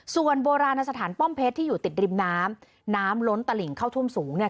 ส่วนโบราณสถานป้อมเพชรที่อยู่ติดริมน้ำน้ำล้นตลิ่งเข้าท่วมสูงเนี่ย